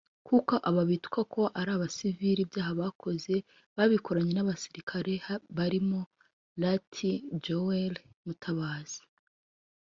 kuko aba bitwa ko ari abasivile ibyaha bakoze babikoranye n’abasirikare barimo Lt Joel Mutabazi